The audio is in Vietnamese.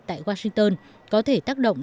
tại washington có thể tác động